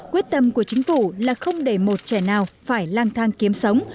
quyết tâm của chính phủ là không để một trẻ nào phải lang thang kiếm sống